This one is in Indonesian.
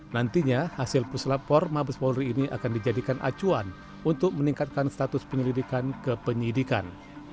nantinya hasil puslapor mabes polri ini akan dijadikan acuan untuk meningkatkan status penyelidikan ke penyidikan